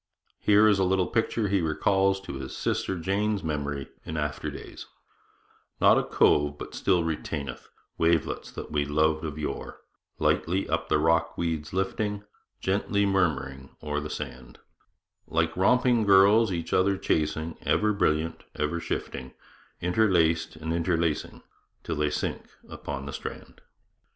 Here is a little picture he recalls to his sister Jane's memory in after days: Not a cove but still retaineth Wavelets that we loved of yore, Lightly up the rock weeds lifting, Gently murmuring o'er the sand; Like romping girls each other chasing, Ever brilliant, ever shifting, Interlaced and interlacing, Till they sink upon the strand.